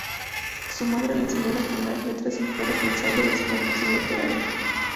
Su madre le enseñó las primeras letras y fue responsable de su formación literaria.